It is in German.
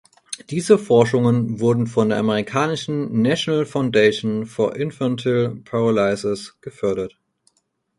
Diese Forschungen wurden von der amerikanischen "National Foundation for Infantile Paralysis" gefördert.